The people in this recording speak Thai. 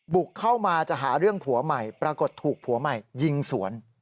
บุกเข้ามาจะหาเรื่องผัวใหม่ปรากฏถูกผัวใหม่ยิงสวน